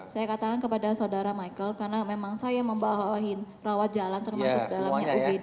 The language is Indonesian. saya katakan kepada saudara michael karena memang saya membawa rawat jalan termasuk dalamnya ugd